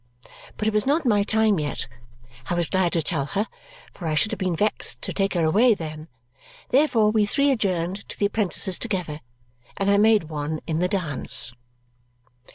But it was not my time yet, I was glad to tell her, for I should have been vexed to take her away then. Therefore we three adjourned to the apprentices together, and I made one in the dance.